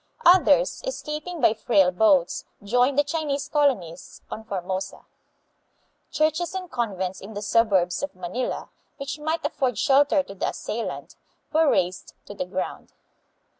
Others, escaping by frail boats, joined the Chinese colonists on Formosa. Churches and convents in the sub urbs of Manila, which might afford shelter to the assailant, were razed to the ground.